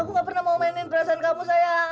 aku gak pernah mau mainin perasaan kamu saya